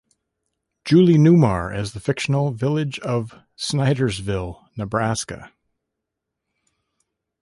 Julie Newmar as the fictional village of Snydersville, Nebraska.